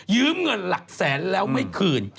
เงินหลักแสนแล้วไม่คืน